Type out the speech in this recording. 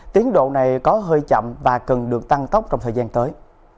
tiến độ này có hơi chậm và cần được tăng tốc trong thời gian tới